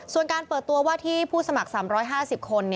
ส่วนการเปิดตัวว่าที่ผู้สมัคร๓๕๐คน